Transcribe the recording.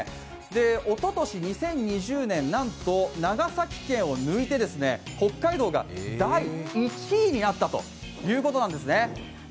おととし２０２０年、なんと長崎県を抜いて北海道が第１位になったということなんですね。